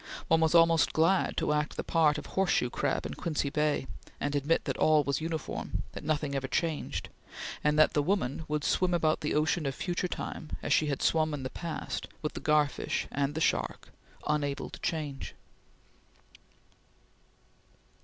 One was almost glad to act the part of horseshoe crab in Quincy Bay, and admit that all was uniform that nothing ever changed and that the woman would swim about the ocean of future time, as she had swum in the past, with the gar fish and the shark, unable to change.